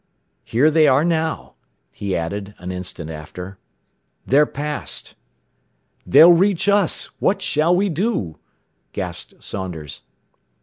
"Here they are now," he added an instant after. "They're past!" "They'll reach us! What shall we do?" gasped Saunders.